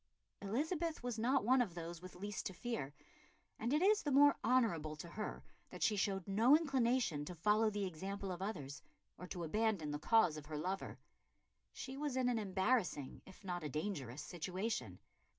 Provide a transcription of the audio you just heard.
Elizabeth was not one of those with least to fear, and it is the more honourable to her that she showed no inclination to follow the example of others, or to abandon the cause of her lover. She was in an embarrassing, if not a dangerous situation.